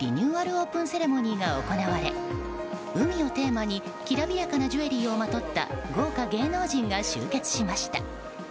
オープンセレモニーが行われ海をテーマにきらびやかなジュエリーをまとった豪華芸能人が集結しました。